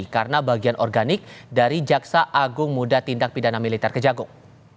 karena bagian organik dari jaksa agung muda tindak pindana militer kejagung